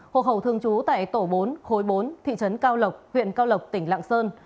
hộ khẩu thường trú tại tổ bốn khối bốn thị trấn cao lộc huyện cao lộc tỉnh lạng sơn